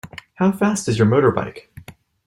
How fast is your motorbike?